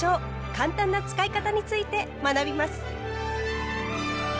簡単な使い方について学びます。